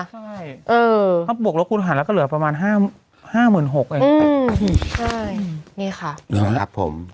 ใช่เออถ้าบวกลบคุณหันแล้วก็เหลือประมาณห้าหมื่นหกเองใช่นี่ค่ะนะครับผม